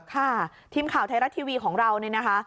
ค่ะทีมข่าวไทยรัฐทีวีของเราเนี่ยนะคะ